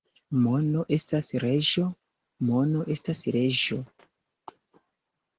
Mono estas reĝo, mono estas leĝo.